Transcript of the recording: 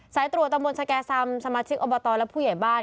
สายตรวจตำบลสแก่ซำสมาชิกอบตและผู้ใหญ่บ้าน